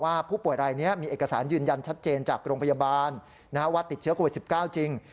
ผู้ป่วยรายนี้มีเอกสารยืนยันชัดเจนจากโรงพยาบาลว่าติดเชื้อโควิด๑๙จริง